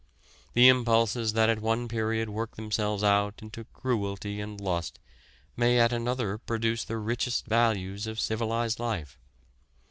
The impulses that at one period work themselves out into cruelty and lust may at another produce the richest values of civilized life.